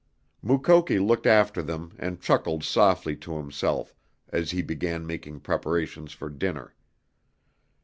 Mukoki looked after them and chuckled softly to himself as he began making preparations for dinner.